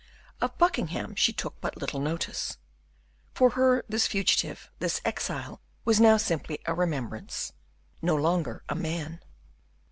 Of Buckingham she took but little notice; for her, this fugitive, this exile, was now simply a remembrance, no longer a man.